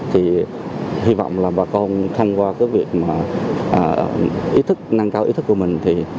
hy vọng là bà con thông qua việc nâng cao ý thức của mình